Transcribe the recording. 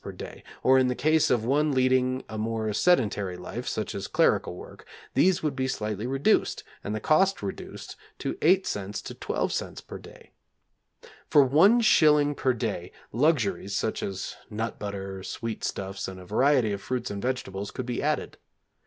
per day; or in the case of one leading a more sedentary life, such as clerical work, these would be slightly reduced and the cost reduced to 8c. to 12c. per day. For one shilling per day, luxuries, such as nut butter, sweet stuffs, and a variety of fruits and vegetables could be added.